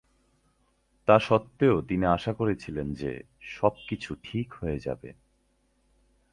তা সত্ত্বেও, তিনি আশা করেছিলেন যে, সবকিছু ঠিক হয়ে যাবে।